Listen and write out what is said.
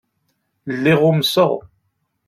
Lliɣ umseɣ.